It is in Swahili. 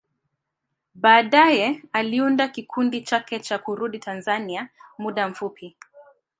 Baadaye, aliunda kikundi chake na kurudi Tanzania kwa muda mfupi.